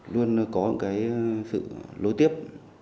luôn có một cái sự lối tiếp